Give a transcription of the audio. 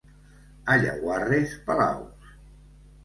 A Llaguarres, palaus.